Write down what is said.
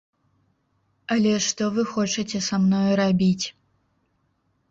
Але што вы хочаце са мною рабіць?